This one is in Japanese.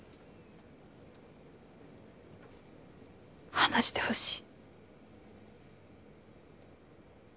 話してほしい。